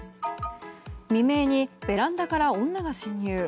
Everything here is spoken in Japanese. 未明にベランダから女が侵入。